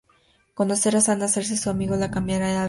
Conocer a Sana y hacerse su amigo le cambiará la vida.